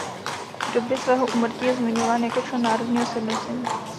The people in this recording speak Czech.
V době svého úmrtí je zmiňován jako člen Národního sjednocení.